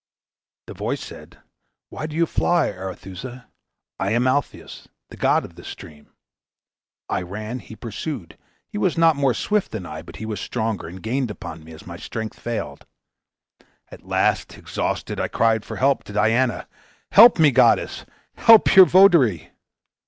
The voice said, 'Why do you fly, Arethusa? I am Alpheus, the god of this stream.' I ran, he pursued; he was not more swift than I, but he was stronger, and gained upon me, as my strength failed. At last, exhausted, I cried for help to Diana. 'Help me, goddess! help your votary!'